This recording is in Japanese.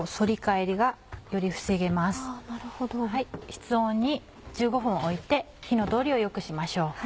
室温に１５分置いて火の通りを良くしましょう。